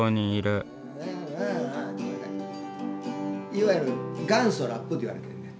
いわゆる元祖ラップって言われてんねん。